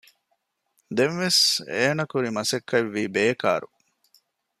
ދެންވެސް އޭނަ ކުރި މަސައްކަތްވީ ބޭކާރު